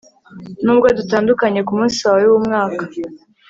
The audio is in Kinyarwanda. nubwo dutandukanye kumunsi wawe wumwaka